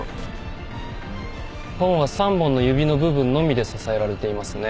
本は３本の指の部分のみで支えられていますね。